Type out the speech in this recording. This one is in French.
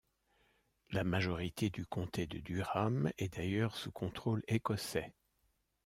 La majorité du comté de Durham est d'ailleurs sous contrôle écossais.